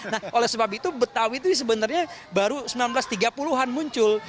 nah oleh sebab itu betawi itu sebenarnya baru seribu sembilan ratus tiga puluh an muncul